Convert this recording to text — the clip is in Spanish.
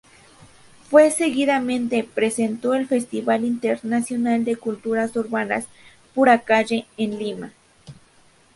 Seguidamente presentó el Festival Internacional de Culturas Urbanas "Pura Calle" en Lima.